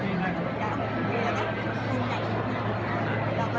ดีไซน์จะไม่น่าเด็ก